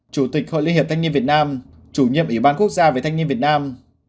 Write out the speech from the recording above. chủ tịch hội liên hiệp thanh niên việt nam chủ nhiệm ủy ban quốc gia về thanh niên việt nam